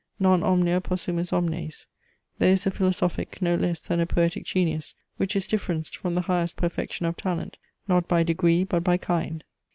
Non omnia possumus omnes. There is a philosophic no less than a poetic genius, which is differenced from the highest perfection of talent, not by degree but by kind.